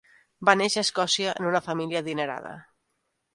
Va néixer a Escòcia en una família adinerada.